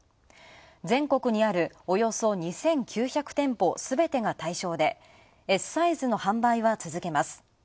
全国にあるおよそ２９００店舗すべてが対象でＳサイズの販売は続けます。